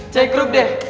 cek grup deh